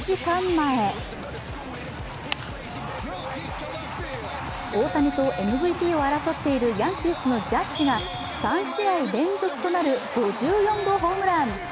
前大谷とＭＶＰを争っているヤンキースのジャッジが、３試合連続となる５４号ホームラン。